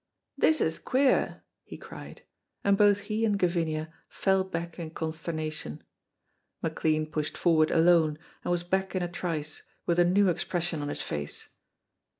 "This is queer!" he cried, and both he and Gavinia fell back in consternation. McLean pushed forward alone, and was back in a trice, with a new expression on his face.